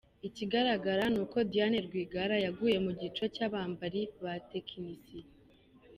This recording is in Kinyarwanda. Ikigaragara ni uko Diane Rwigara yaguye mu gico cy’abambari ba tekinisiye!